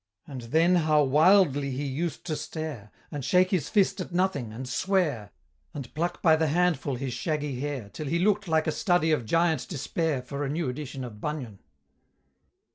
And then how wildly he used to stare! And shake his fist at nothing, and swear, And pluck by the handful his shaggy hair, Till he look'd like a study of Giant Despair For a new Edition of Bunyan!